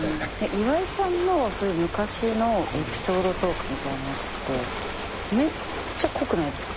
岩井さんのそういう昔のエピソードトークみたいなやつってめっちゃ濃くないですか？